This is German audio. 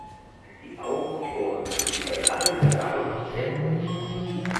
Die Augen und Ohren sind wie bei allen Galagos sehr groß.